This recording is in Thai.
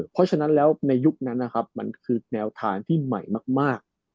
เพราะฉะนั้นแล้วในยุคนั้นนะครับมันคือแนวทางที่ใหม่มาก